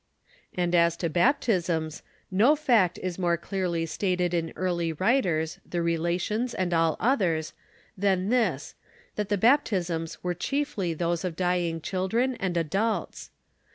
And ns to baptisms, no fact is more clearly stated in early writers, the Relations, and all otiiei s, than this, that the baptisms were chiefly those of dying children and adults.